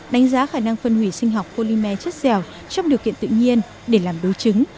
đánh giá khả năng phân hủy sinh học polymer chất dẻo trong điều kiện tự nhiên để làm đối chứng